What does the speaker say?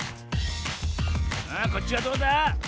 あこっちはどうだ？